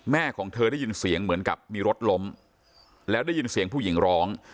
ของเธอได้ยินเสียงเหมือนกับมีรถล้มแล้วได้ยินเสียงผู้หญิงร้อง